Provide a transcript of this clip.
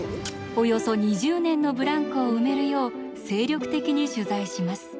およそ２０年のブランクを埋めるよう精力的に取材します。